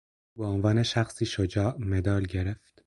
او به عنوان شخصی شجاع، مدال گرفت